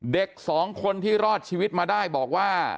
เด็กสองคนที่รอดชีวิตมาได้บอกว่า